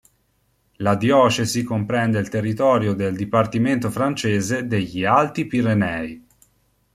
La diocesi comprende il territorio del dipartimento francese degli Alti Pirenei.